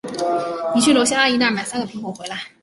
你去楼下阿姨那儿买三个苹果回来。